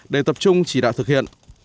để tập trung chỉ đạo thực hiện